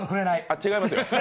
違いますよ。